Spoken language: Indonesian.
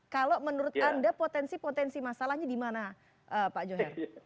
kalau menurut anda potensi potensi masalahnya di mana pak joher